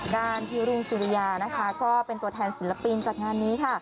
กาญทีรุ่งซุรยาเป็นตัวแทนสินลปินจากงานนี้